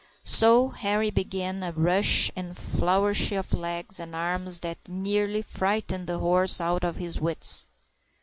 So Henri began by a rush and a flourish of legs and arms that nearly frightened the horse out of his wits.